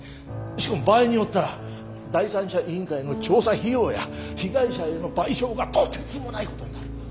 しかも場合によったら第三者委員会の調査費用や被害者への賠償がとてつもないことになる。